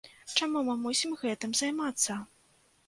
Чаму мы мусім гэтым займацца?